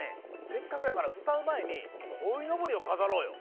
せっかくやからうたうまえにこいのぼりをかざろうよ。